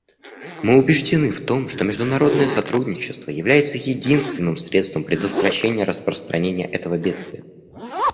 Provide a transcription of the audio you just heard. Мы убеждены в том, что международное сотрудничество является единственным средством предотвращения распространения этого бедствия.